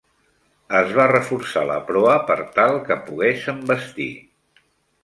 Es va reforçar la proa per tal que pogués envestir.